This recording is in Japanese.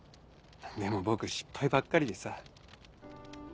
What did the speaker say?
でも僕失敗ばっかりでさ。